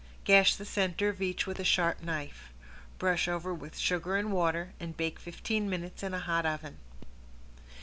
Gash the center of each with a sharp knife. Brush over with sugar and water, and bake fifteen minutes in a hot oven.